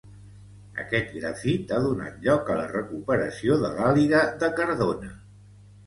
Aquest grafit ha donat lloc a la recuperació de l'Àliga de Cardona.